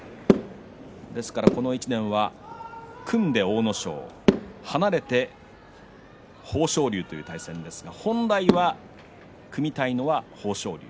ですから、この１年は組んで阿武咲離れて豊昇龍という対戦ですが本来は組みたいのが豊昇龍。